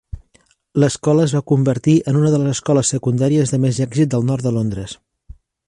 L'escola es va convertir en una de les escoles secundàries de més èxit del nord de Londres.